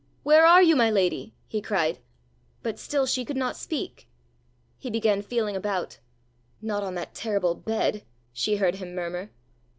"Where are you, my lady?" he cried. But still she could not speak. He began feeling about. "Not on that terrible bed!" she heard him murmur.